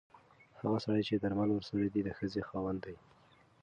هغه سړی چې درمل ورسره دي د ښځې خاوند دی.